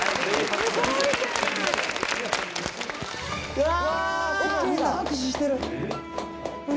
うわ！